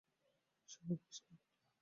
সবই কৃষ্ণের লীলা।